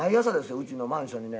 うちのマンションにね